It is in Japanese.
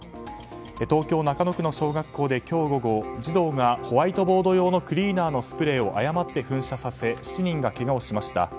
東京・中野区の小学校で今日午後児童がホワイトボード用のクリーナーのスプレーを誤って噴射させ７人がけがをしました。